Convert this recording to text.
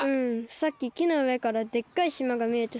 さっききのうえからでっかいしまがみえてさ。